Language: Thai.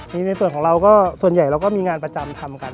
ในส่วนของเราก็ส่วนใหญ่เราก็มีงานประจำทำกัน